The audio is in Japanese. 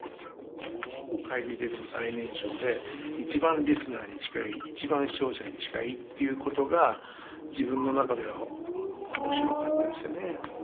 会議に出ても最年少で一番リスナーに近い一番視聴者に近いっていうことが自分の中では面白かったですよね。